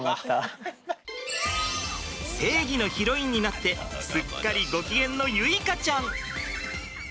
正義のヒロインになってすっかりご機嫌の結花ちゃん。